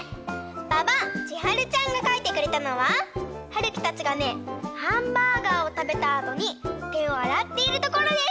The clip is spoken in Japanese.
ばばちはるちゃんがかいてくれたのははるきたちがねハンバーガーをたべたあとにてをあらっているところです！